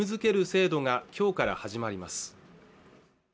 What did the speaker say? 制度がきょうから始まります